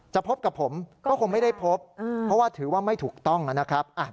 พบกับผมก็คงไม่ได้พบเพราะว่าถือว่าไม่ถูกต้องนะครับ